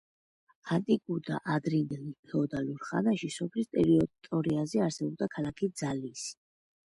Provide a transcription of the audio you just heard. ანტიკურ და ადრინდელ ფეოდალურ ხანაში სოფლის ტერიტორიაზე არსებობდა ქალაქი ძალისი.